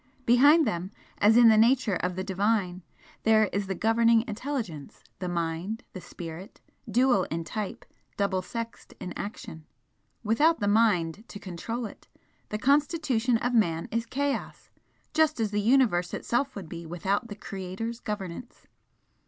Behind them, as in the nature of the Divine, there is the Governing Intelligence, the Mind, the Spirit, dual in type, double sexed in action. Without the Mind to control it, the constitution of Man is chaos, just as the Universe itself would be without the Creator's governance.